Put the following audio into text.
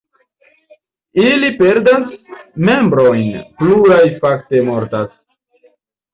Ili perdas membrojn, pluraj fakte mortas.